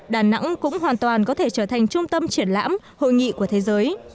đà nẵng cũng hoàn toàn có thể trở thành trung tâm triển lãm hội nghị của thế giới